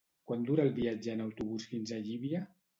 Quant dura el viatge en autobús fins a Llívia?